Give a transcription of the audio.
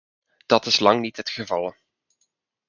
Dat is lang niet het geval.